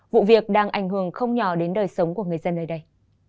vụ việc đang ảnh hưởng không nhỏ đến đời sống của người dân nơi đây